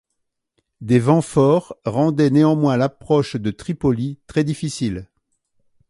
Des vents forts rendaient néanmoins l’approche de Tripoli très difficile.